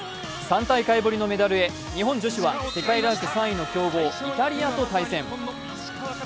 ３大会ぶりのメダルへ、日本女子は世界ランク３位の強豪イタリアと対戦。